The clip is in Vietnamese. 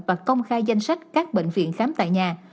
và công khai danh sách các bệnh viện khám tại nhà